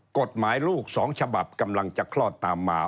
กฎหมายลูก๒ฉบับกำลังจะคลอดตามมา